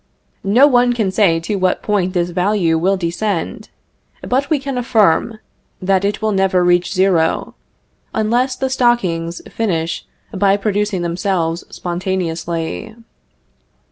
No one can say to what point this value will descend; but we can affirm, that it will never reach zero, unless the stockings finish by producing themselves spontaneously.